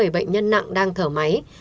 ba trăm hai mươi bảy bệnh nhân nặng đang thở máy